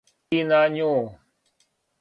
И на њу.